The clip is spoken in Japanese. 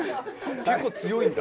結構強いんだ。